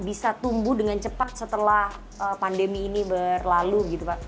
bisa tumbuh dengan cepat setelah pandemi ini berlalu gitu pak